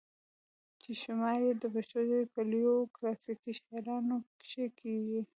چې شمار ئې د پښتو ژبې پۀ لويو کلاسيکي شاعرانو کښې کيږي